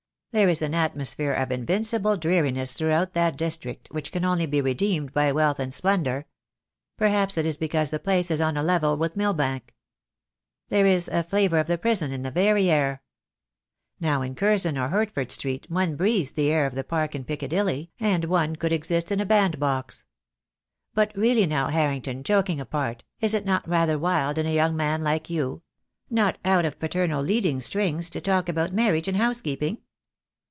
There is an atmosphere of invincible dreariness throughout that district which can only be redeemed by wealth and splendour. Perhaps it is because the place is on a level with Mill bank. There is a flavour of the prison in the very air. Now, in Curzon or Hertford Street one breathes the air of the Park and Piccadilly, and one could exist in a band box. But really now, Harrington, joking apart, is it not rather wild in a young man like you — not out of paternal leading strings — to talk about marriage and housekeep ing?"